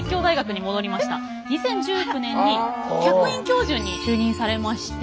２０１９年に客員教授に就任されまして。